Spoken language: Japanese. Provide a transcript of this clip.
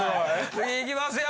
次いきますよ。